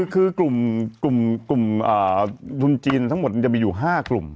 คือกลุ่มกลุ่มกลุ่มเอ่อธุรกิจจริงทั้งหมดมันจะมีอยู่ห้ากลุ่ม